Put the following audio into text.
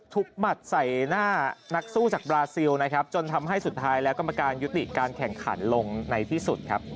หมัดใส่หน้านักสู้จากบราซิลนะครับจนทำให้สุดท้ายแล้วกรรมการยุติการแข่งขันลงในที่สุดครับ